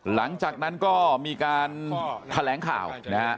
หลังจากนั้นก็มีการแถลงข่าวนะฮะ